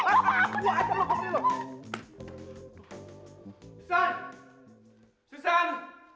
susan keluar susan